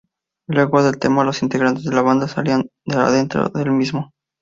Luego del tema, los integrantes de la banda salían de adentro del mismo.